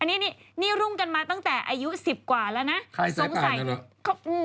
อันนี้นี่นี่รุ่งกันมาตั้งแต่อายุสิบกว่าแล้วนะใครสายป่านแล้ว